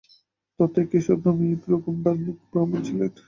তথায় কেশব নামে এক পরম ধার্মিক ব্রাহ্মণ ছিলেন।